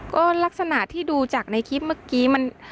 ก็ลักษณะที่ดูจากในคลิปเมื่อกี้มัน